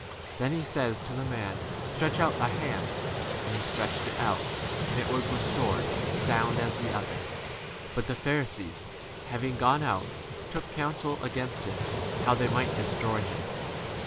Then he says to the man, Stretch out thy hand. And he stretched [it] out, and it was restored sound as the u other. But the Pharisees, having gone out, took counsel against him how they might destroy him.